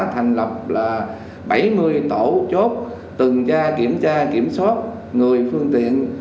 thành lập bảy mươi tổ chốt từng gia kiểm tra kiểm soát người phương tiện